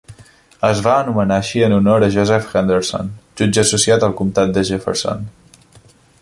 Es va anomenar així en honor a Joseph Henderson, jutge associat del comtat de Jefferson.